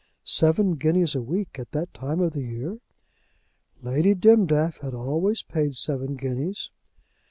"Seven guineas a week at that time of the year!" Lady Dimdaff had always paid seven guineas.